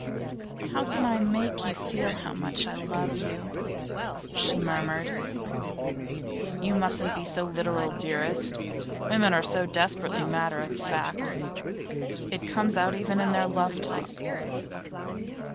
'How can I make you feel how much I love you?' she murmured. 'You mustn't be so literal, dearest. Women are so desperately matter of fact; it comes out even in their love talk.